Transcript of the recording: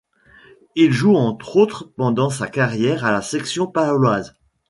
Il joue entre autres pendant sa carrière à la Section paloise.